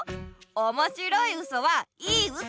おもしろいウソはいいウソ！